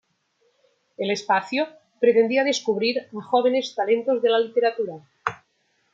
El espacio pretendía descubrir a jóvenes talentos de la literatura.